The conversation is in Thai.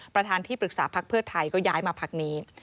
ประธานที่ปรึกษาพักเพื่อไทยก็ย้ายมาพักนี้